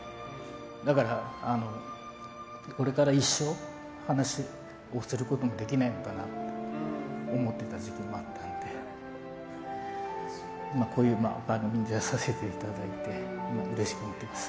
だから、これから一生話をすることもできないかなと思っていた時期もあったのでこういう番組出させていただいてうれしく思ってます。